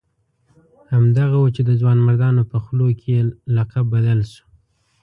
همدغه وو چې د ځوانمردانو په خولو کې یې لقب بدل شو.